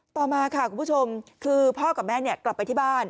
ต่อมาค่ะคุณผู้ชมคือพ่อกับแม่กลับไปที่บ้าน